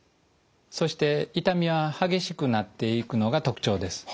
そして痛みは激しくなっていくのが特徴です。